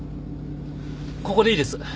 ここでいいです。